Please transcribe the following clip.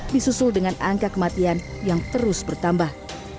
disusul dengan angka kematian yang terus bertambah